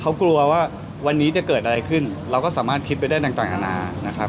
เขากลัวว่าวันนี้จะเกิดอะไรขึ้นเราก็สามารถคิดไปได้ต่างอาณานะครับ